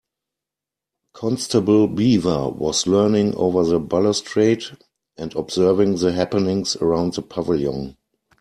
Constable Beaver was leaning over the balustrade and observing the happenings around the pavilion.